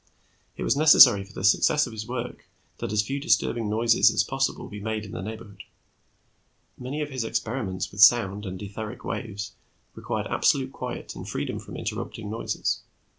It was necessary for the success of his work that as few disturbing noises as possible be made in the neighborhood. Many of his experiments with sound and etheric waves required absolute quiet and freedom from interrupting noises.